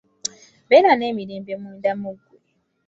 Beera n’emirembe munda mu ggwe.